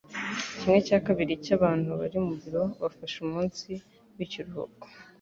Kimwe cya kabiri cyabantu bari mu biro bafashe umunsi wikiruhuko.